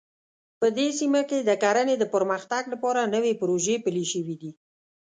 په دې سیمه کې د کرنې د پرمختګ لپاره نوې پروژې پلې شوې دي